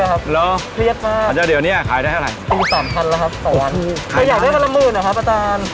เหรอเพรียดมากอาจารย์เดี๋ยวเนี้ยขายได้เท่าไหร่ตีสามพันแล้วครับสองวันไม่อยากได้ประมูลเหรอครับอาจารย์